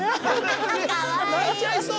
泣いちゃいそう。